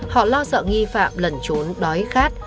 họ lo sợ nghi phạm lẩn trốn đói khát